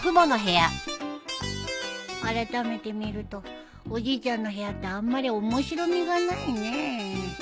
あらためて見るとおじいちゃんの部屋ってあんまり面白みがないね。